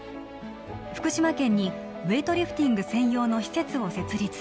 福島県にウエイトリフティング専用の施設を設立